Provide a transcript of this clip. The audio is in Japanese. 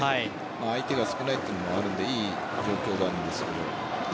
相手が少ないというのもあるので良い状況なんですけど。